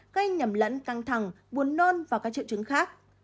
gây nhầm lẫn căng thẳng buồn nôn và các triệu chứng khác